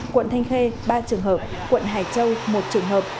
quận thanh khê ba trường hợp quận hải châu một trường hợp